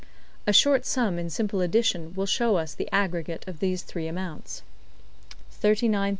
A short sum in simple addition will show us the aggregate of these three amounts $ 8,972.